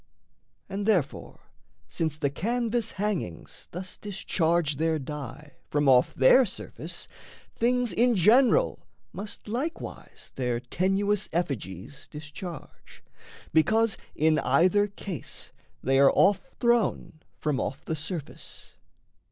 And therefore, since The canvas hangings thus discharge their dye From off their surface, things in general must Likewise their tenuous effigies discharge, Because in either case they are off thrown From off the surface.